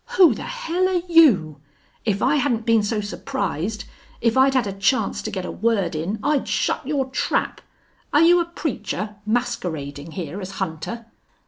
"Who the hell are you?... If I hadn't been so surprised if I'd had a chance to get a word in I'd shut your trap! Are you a preacher masquerading here as hunter?